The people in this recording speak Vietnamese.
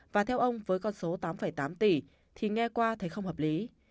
và theo ông với con số tám tám tỷ thì nghe qua thấy không hợp lý